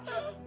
lo sih mbak